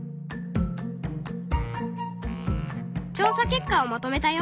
調査結果をまとめたよ。